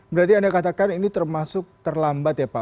berarti anda katakan ini termasuk terlambat ya pak